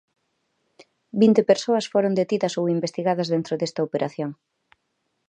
Vinte persoas foron detidas ou investigadas dentro desta operación.